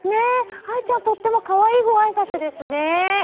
はーちゃん、とっても可愛いごあいさつですね！